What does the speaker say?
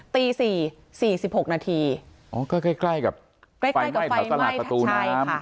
ตี๔สี่สิบหกนาทีก็ใกล้กับไฟไหม้แถวสลัดประตูน้ำ